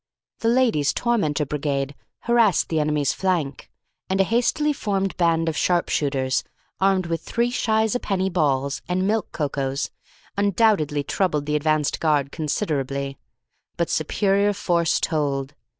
The Ladies' Tormentor Brigade harassed the enemy's flank, and a hastily formed band of sharp shooters, armed with three shies a penny balls and milky cocos, undoubtedly troubled the advance guard considerably. But superior force told.